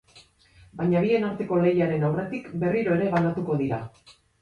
Baina bien arteko lehiaren aurretik, berriro ere banatuko dira.